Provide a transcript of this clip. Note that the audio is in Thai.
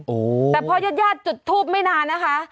โอ้โฮแต่พอยาดจุดทูบไม่นานนะคะ